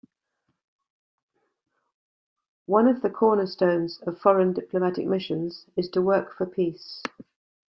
One of the cornerstones of foreign diplomatic missions is to work for peace.